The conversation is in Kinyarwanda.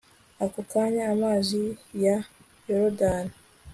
ako kanya amazi ya yorudani